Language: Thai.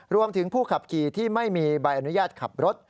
รวมถึงผู้ขับขี่ที่ไม่มีใบอนุญาตขับรถ